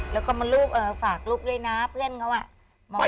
แล้วก็มาลูกฝากลูกด้วยนะเพื่อนเขาอ่ะ